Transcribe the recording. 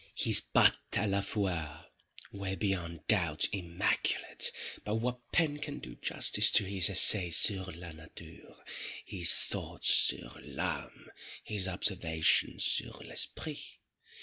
His patés à la fois were beyond doubt immaculate; but what pen can do justice to his essays sur la Nature—his thoughts sur l'Ame—his observations _sur l'Esprit?